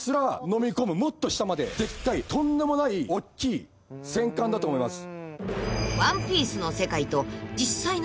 もっと下まででっかいとんでもないおっきい戦艦だと思います。